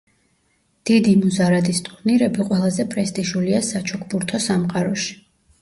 დიდი მუზარადის ტურნირები ყველაზე პრესტიჟულია საჩოგბურთო სამყაროში.